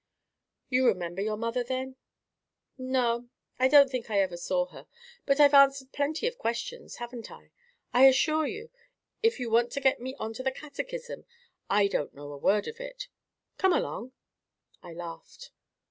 "You remember your mother, then?" "No, I don't think I ever saw her. But I've answered plenty of questions, haven't I? I assure you, if you want to get me on to the Catechism, I don't know a word of it. Come along." I laughed.